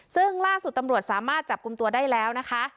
ซึ่งล่าสุดตำรวจสามารถจับกลุ่มตัวได้แล้วนะคะ